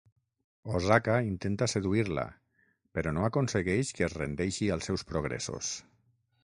Osaka intenta seduir-la però no aconsegueix que es rendeixi als seus progressos.